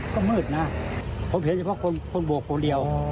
ก็มืดนะผมเห็นเฉพาะคนบวกคนเดียว